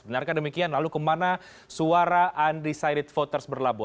benarkah demikian lalu kemana suara undecided voters berlabuh